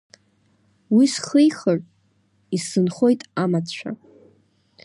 Уи схихыр, исзынхоит амаҭцәа…